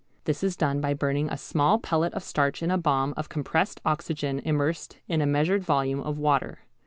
This is done by burning a small pellet of starch in a bomb of compressed oxygen immersed in a measured volume of water.